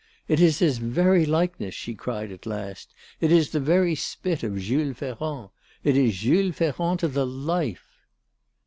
"It is his very likeness," she cried at last. "It is the very spit of Jules Ferrand, it is Jules Ferrand to the life."